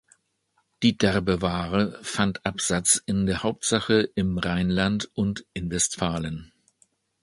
Die derbe Ware fand Absatz in der Hauptsache im Rheinland und in Westfalen.